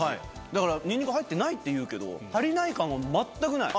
だから、ニンニク入ってないっていうけど、足りない感は全くない。